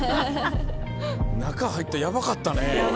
中入ったらヤバかったね。